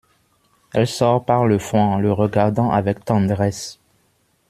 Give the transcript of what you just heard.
Elle sort par le fond en le regardant avec tendresse.